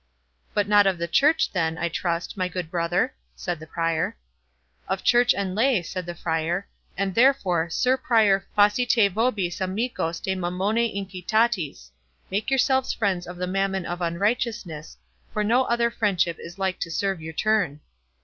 "But not of the church, then, I trust, my good brother?" said the Prior. "Of church and lay," said the Friar; "and therefore, Sir Prior 'facite vobis amicos de Mammone iniquitatis'—make yourselves friends of the Mammon of unrighteousness, for no other friendship is like to serve your turn."